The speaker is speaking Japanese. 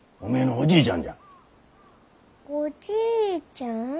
おじいちゃん？